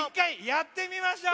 やってみましょう。